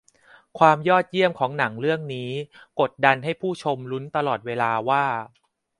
ความยอดเยี่ยมของหนังเรื่องนี้กดดันให้ผู้ชมลุ้นตลอดเวลาว่า